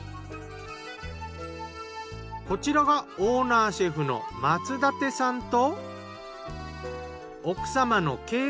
こちらがオーナーシェフの松立さんと。